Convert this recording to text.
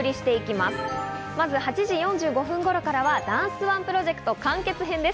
まず８時４５分頃からはダンスＯＮＥプロジェクト完結編です。